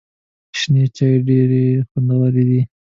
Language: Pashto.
شنې چای ډېري خوندوري دي .